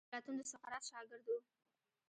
افلاطون د سقراط شاګرد وو.